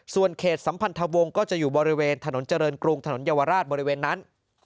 ส่วนเขตสัมพันธวงศ์ก็จะอยู่บริเวณถนนเจริญกรุงถนนเยาวราชบริเวณนั้น